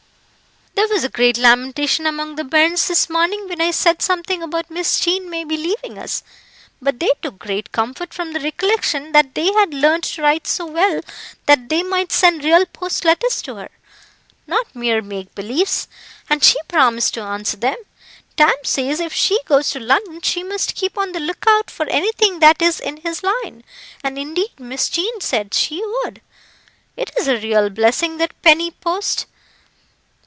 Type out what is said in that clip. "There was great lamentation among the bairns this morning when I said something about Miss Jean maybe leaving us; but they took great comfort from the recollection that they had learned to write so well that they might send real post letters to her not mere make believes and she promised to answer them. Tam says if she goes to London she must keep on the look out for anything that is in his line, and indeed Miss Jean said she would. It is a real blessing that penny post.